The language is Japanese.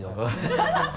ハハハ